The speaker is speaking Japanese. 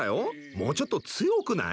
もうちょっと強くない？